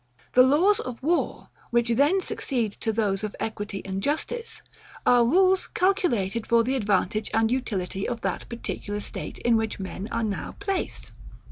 The laws of war, which then succeed to those of equity and justice, are rules calculated for the ADVANTAGE and UTILITY of that particular state, in which men are now placed.